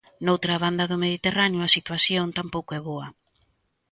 Noutra banda do Mediterráneo a situación tampouco é boa.